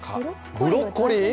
ブロッコリー？！